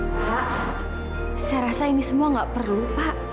pak saya rasa ini semua nggak perlu pak